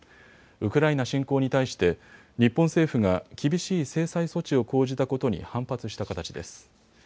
ウクライナ侵攻に対して日本政府が厳しい制裁措置を講じたことに反発した形です。